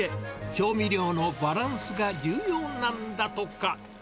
調味料のバランスが重要なんだとか。